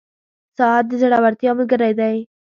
• ساعت د زړورتیا ملګری دی.